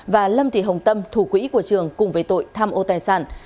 và lâm thị hồng tâm thủ quỹ của trường cùng với tội tham ô tài sản